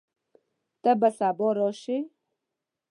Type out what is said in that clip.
ته به سبا راشې؟